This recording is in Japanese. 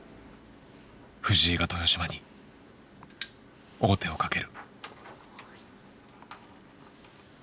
藤井が豊島に王手をかける。